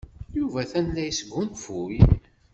Yuba atan la yesgunfuy.